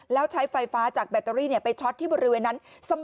แล้วใช้ไฟฟ้าจากแบตเตอรี่ไปช็อตที่บริเวณนั้น